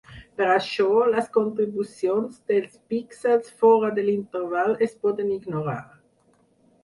Per això, les contribucions dels píxels fora de l'interval es poden ignorar.